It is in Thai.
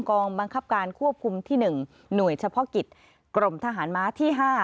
กองบังคับการควบคุมที่๑หน่วยเฉพาะกิจกรมทหารม้าที่๕